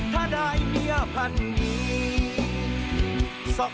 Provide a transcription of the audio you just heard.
ถ้าได้เนี่ยผนดี